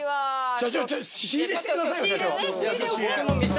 社長仕入れしてくださいよ社長。